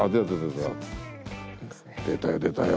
出たよ出たよ。